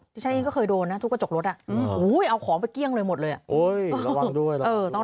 ฉะนั้นตอนนี้ถึงเคยโดนทุบกระจกรถเอาของไปเกี้ยงเลยหมดเลย